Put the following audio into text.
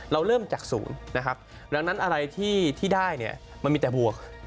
เราเริ่มจากศูนย์ดังนั้นอะไรที่ได้มันมีแต่บวก